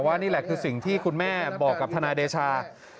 นี่แหละคือสิ่งที่คุณแม่บอกกับทนายเดชา